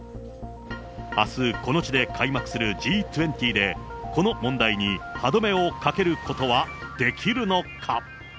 あす、この地で開幕するＧ２０で、この問題に歯止めをかけることはできるのか。